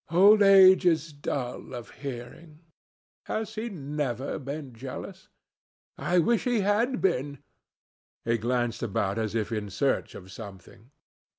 "Old age is dull of hearing." "Has he never been jealous?" "I wish he had been." He glanced about as if in search of something.